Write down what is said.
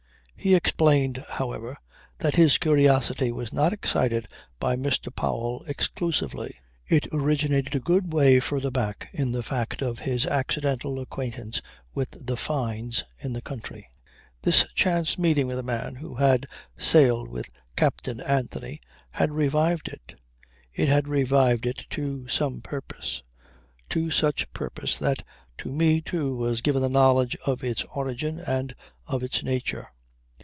He explained however that his curiosity was not excited by Mr. Powell exclusively. It originated a good way further back in the fact of his accidental acquaintance with the Fynes, in the country. This chance meeting with a man who had sailed with Captain Anthony had revived it. It had revived it to some purpose, to such purpose that to me too was given the knowledge of its origin and of its nature.